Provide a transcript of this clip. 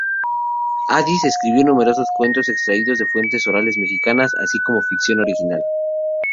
Addis escribió numerosos cuentos, extraídos de fuentes orales mexicanas, así como ficción original.